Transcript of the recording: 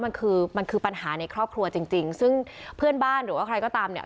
มันคือมันคือปัญหาในครอบครัวจริงจริงซึ่งเพื่อนบ้านหรือว่าใครก็ตามเนี่ย